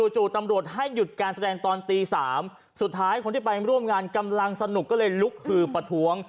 จู่ตำรวจให้หยุดการแสดงตอนตี๓สุดท้ายคนที่ไปร่วมงานกำลังสนุกก็เลยลุกฮือประท้วง